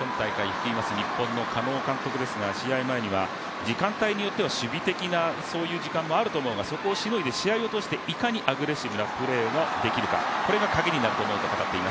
今大会、日本の狩野監督ですが、試合前には、時間帯によっては守備的な時間もあると思うが、そこをしのいで試合を通していかにアグレッシブなプレーができるかこれがカギになると思うと語っています。